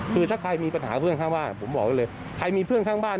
คือถ้าใครมีปัญหาเพื่อนข้างบ้านผมบอกไว้เลยใครมีเพื่อนข้างบ้าน